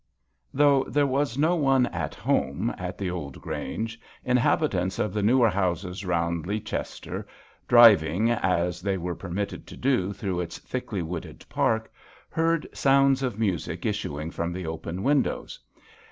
THOUGH there was no , one " at home " at the , old Grange, inhabitants of the newer bouses [ round Leachester driving, as they were permitted to do, through its thickly wooded park, heard sounds of music issuing from the open windows.